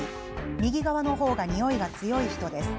右側の方が、においが強い人です。